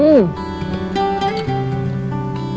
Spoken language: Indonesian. ini semuanya homemade alias buatan sendiri nih